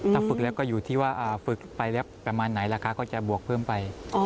ถ้าฝึกแล้วก็อยู่ที่ว่าฝึกไปแล้วประมาณไหนราคาก็จะบวกเพิ่มไป